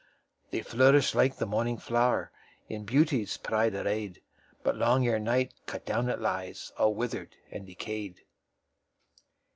They flourish like the morning flow'r, In beauty's pride array'd; But long ere night cut down it liesAll wither'd and decay'd.